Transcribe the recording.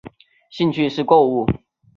兴趣是购物。